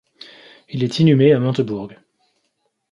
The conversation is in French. Il est inhumé à Montebourg.